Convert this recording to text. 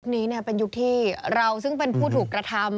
นี้เป็นยุคที่เราซึ่งเป็นผู้ถูกกระทำ